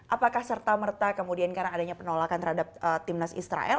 apakah serta merta kemudian karena adanya penolakan terhadap timnas israel